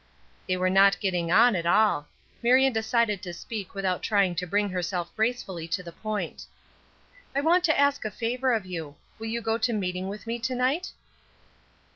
They were not getting on at all. Marion decided to speak without trying to bring herself gracefully to the point. "I want to ask a favor of you. Will you go to meeting with me to night?"